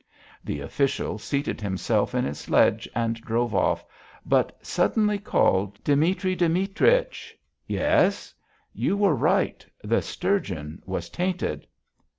The official seated himself in his sledge and drove off, but suddenly called: "Dimitri Dimitrich!" "Yes." "You were right. The sturgeon was tainted."